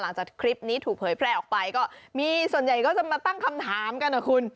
หลังจากคลิปนี้ถูกเผยแพร่ออกไปก็มีส่วนใหญ่ก็จะมาตั้งคำถามกันนะคุณ